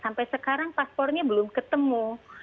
sampai sekarang paspornya belum ketemu